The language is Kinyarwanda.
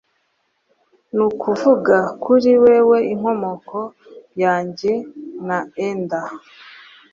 Nukuvuga kuri wewe inkomoko yanjye na ender